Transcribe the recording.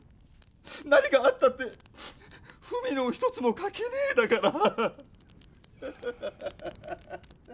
何かあったって文の一つも書けねえだから。